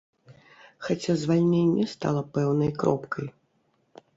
Хаця звальненне стала пэўнай кропкай.